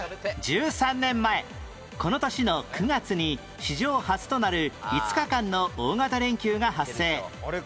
１３年前この年の９月に史上初となる５日間の大型連休が発生